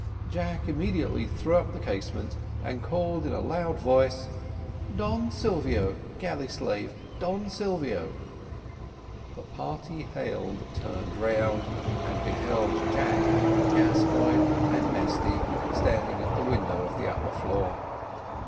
Jack immediately threw up the casement, and called out in a loud voice, "Don Silvio! galley slave! Don Silvio!" The party hailed turned round, and beheld Jack, Gascoigne, and Mesty, standing at the window of the upper floor.